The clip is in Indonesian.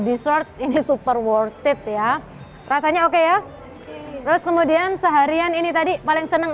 dessert ini super worth it ya rasanya oke ya terus kemudian seharian ini tadi paling seneng